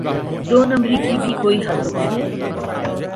دو نمبری کی بھی کوئی حد ہوتی ہے۔